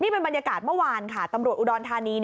เป็นบรรยากาศเมื่อวานค่ะตำรวจอุดรธานี